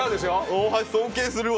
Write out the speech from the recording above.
大橋尊敬するわ。